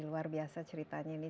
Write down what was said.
luar biasa ceritanya ini